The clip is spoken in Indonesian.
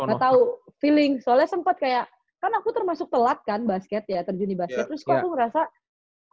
iya enggak tau feeling soalnya sempet kayak kan aku termasuk telat kan basket ya terjun di basket terus kok aku ngerasa aku cepet nih naiknya bukannya sombong